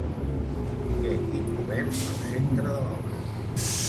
Què hi trobem al centre de l'obra?